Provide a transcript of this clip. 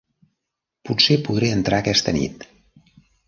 Potser podré entrar aquesta nit.